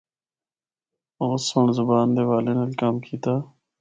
اُس سنڑ زبان دے حوالے نال کم کیتا۔